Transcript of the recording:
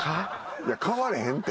いや買われへんって。